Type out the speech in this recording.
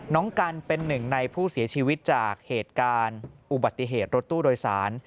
น้องกันเป็นหนึ่งในผู้เสียชีวิตจากเหตุการณ์อุบัติเหตุรถตู้โดยสาร